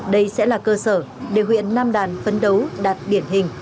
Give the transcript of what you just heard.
đây sẽ là cơ sở để huyện nam đàn phấn đấu đạt điển hình